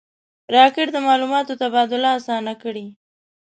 راکټ د معلوماتو تبادله آسانه کړې